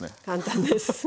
簡単です。